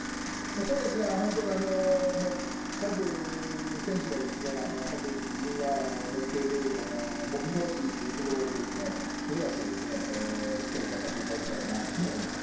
本当もう、各選手が本当に自分が持っている目標値っていうところを目指して、しっかり頑張っていただけたらなというふうに思います。